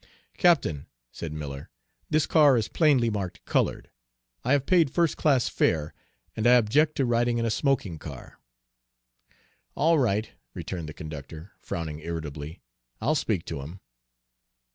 "Captain," said Miller, "this car is plainly marked 'Colored.' I have paid first class fare, and I object to riding in a smoking car." "All right," returned the conductor, frowning irritably. "I'll speak to him."